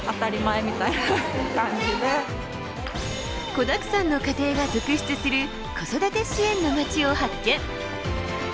子だくさんの家庭が続出する子育て支援の町を発見。